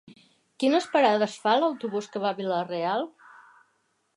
Quines parades fa l'autobús que va a Vila-real?